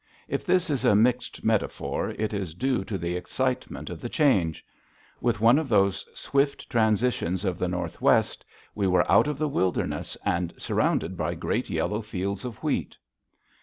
If this is a mixed metaphor, it is due to the excitement of the change. With one of those swift transitions of the Northwest, we were out of the wilderness and surrounded by great yellow fields of wheat.